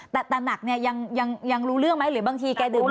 แต่แต่หนักเนี้ยยังยังยังรู้เรื่องไหมหรือบางทีแกดื่มหนัก